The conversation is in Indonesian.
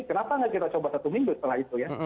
kenapa nggak kita coba satu minggu setelah itu ya